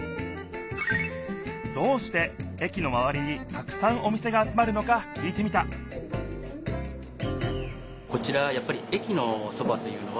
どうして駅のまわりにたくさんお店が集まるのかきいてみたこちらやっぱりそれでああなるほど！